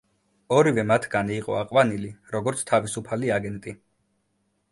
ორივე მათგანი იყო აყვანილი, როგორც თავისუფალი აგენტი.